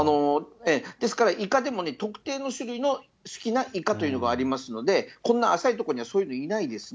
ですから、イカでも、特定の種類の好きなイカというのがありますので、こんな浅いとこにはそんなのはいないですね。